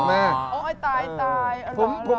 อ๋อไอ้ตายหรอ